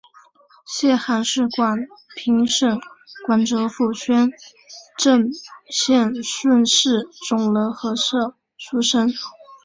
谢涵是广平省广泽府宣政县顺示总罗河社出生。